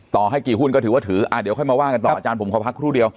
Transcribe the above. ต่อให้กี่หุ้นก็ถือว่าถือเดี๋ยวค่อยมาว่ากันต่ออาจารย์ผมขอพักครู่เดียว